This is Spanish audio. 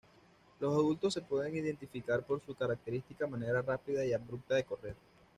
Los adultos se pueden identificar por su característica manera rápida y abrupta de correr.